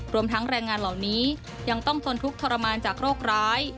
รวมทั้งแรงงานเหล่านี้ยังต้องทนทุกข์ทรมานจากโรคร้าย